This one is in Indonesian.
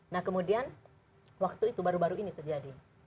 nah kemudian waktu itu baru baru ini terjadi